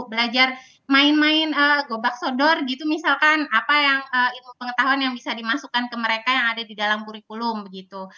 belajar main main gobak sodor gitu misalkan apa yang ilmu pengetahuan yang bisa dimasukkan ke mereka yang ada di dalam kurikulum begitu